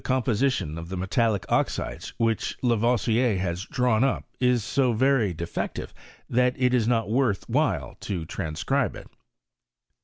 119 composition of the metallic oxides which Lavoisier lias drawn up is so very defective, that it is not worth irhile to transcribe it.